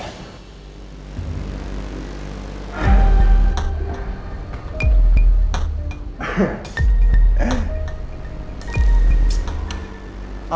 ternyata suaminya riansa cemburan banget ya